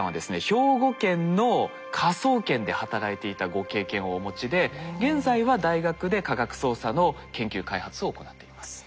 兵庫県の科捜研で働いていたご経験をお持ちで現在は大学で科学捜査の研究開発を行っています。